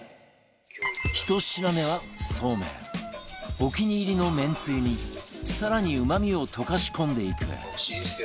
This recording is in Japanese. お気に入りのめんつゆに更にうまみを溶かし込んでいく